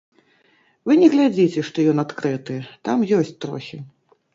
Вы не глядзіце, што ён адкрыты, там ёсць трохі.